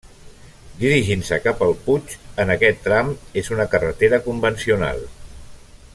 Dirigint-se cap al Puig, en aquest tram és una carretera convencional.